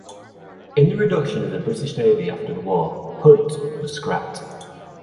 In the reduction of the British Navy after the war, "Hunt" was scrapped.